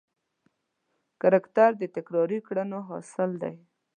کرکټر د تکراري کړنو حاصل دی.